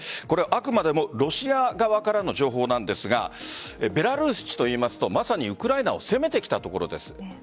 あくまでもロシア側からの情報なんですがベラルーシといいますとまさにウクライナを攻めてきた所です。